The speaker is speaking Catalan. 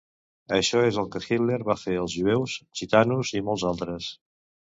Això és el que Hitler va fer als jueus, gitanos i molts altres.